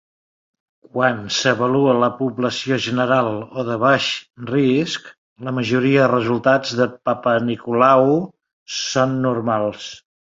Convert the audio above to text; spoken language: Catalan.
Quan s'avalua la població general o de baix risc, la majoria de resultats de Papanicolau són normals.